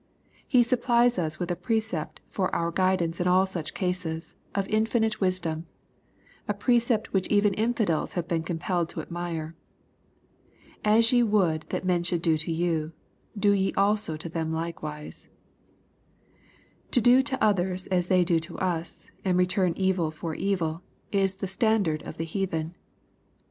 He supplies us with a precept for our guidance in all such cases, of infinite wisdom ; a precept which even infidels have been compelled to admire. — "As ye would that men should do to you, do ye also to them likewise." To do to others as they do to us, and return evil for evil, is the standard of the heathen.